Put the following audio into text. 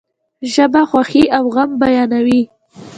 ژبه خوښی او غم بیانوي.